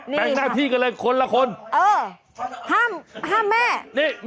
แข็งหน้าที่กันเลยคนละคนเออห้ามแม่แต่ห่าม